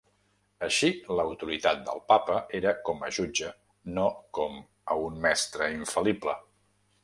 Així, l'autoritat del Papa era com a jutge, no com a un mestre infal·lible.